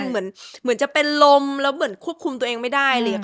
เหมือนจะเป็นลมแล้วเหมือนควบคุมตัวเองไม่ได้